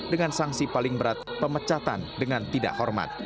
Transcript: dengan sanksi paling berat pemecatan dengan tidak hormat